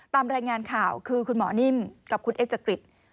ตามรายงานข่าวคือคุณหมอนิ่มกับคุณเอ็กจักริต